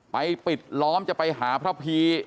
ปิดล้อมจะไปหาพระพี